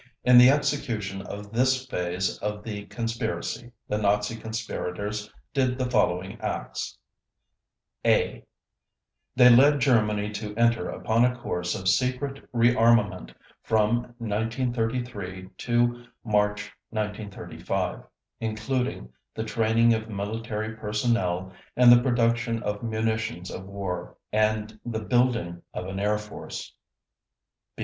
In the execution of this phase of the conspiracy the Nazi conspirators did the following acts: (a) They led Germany to enter upon a course of secret rearmament from 1933 to March 1935, including the training of military personnel and the production of munitions of war, and the building of an air force.